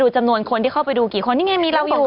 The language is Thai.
จำนวนคนที่เข้าไปดูกี่คนนี่ไงมีเราอยู่